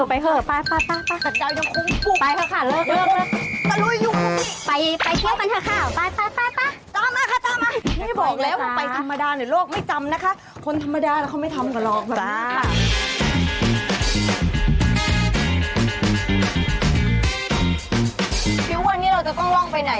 อ้าวประมาณ๓กิโลกรัมแล้วเราก็ได้ดูวิถีชีวิตทุกคน๒ฝั่งแม่น้ำเลยค่ะเป็นวิถีธรรมชาติของขาว